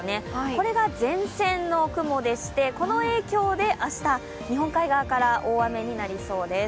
これが前線の雲でしてこの影響で明日、日本海側から大雨になりそうです。